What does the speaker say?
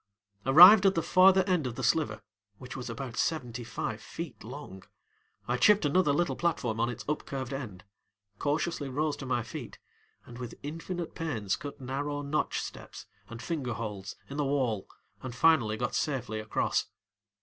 Arrived at the farther end of the sliver, which was about seventy five feet long, I chipped another little platform on its upcurved end, cautiously rose to my feet, and with infinite pains cut narrow notch steps and finger holds in the wall and finally got safely across.